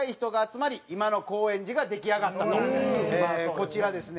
こちらですね